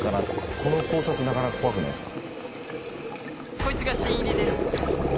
この考察なかなか怖くないですか？